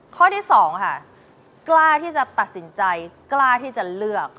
ข้อที่๒ค่ะกล้าที่จะตัดสินใจกล้าที่จะเลือก